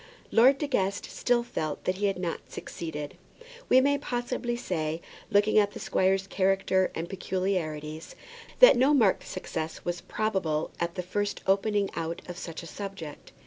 Lord De Guest still felt that he had not succeeded. We may probably say, looking at the squire's character and peculiarities, that no marked success was probable at the first opening out of such a subject.